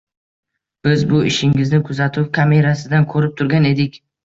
Biz bu ishingizni kuzatuv kamerasidan koʻrib turgan edik.